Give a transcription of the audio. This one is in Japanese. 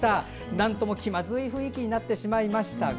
なんとも気まずい雰囲気になってしまいましたが